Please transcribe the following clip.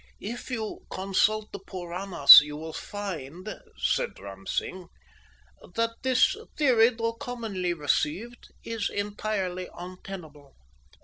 "If you consult the puranas you will find," said Ram Singh, "that this theory, though commonly received, is entirely untenable."